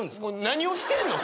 何をしてんの？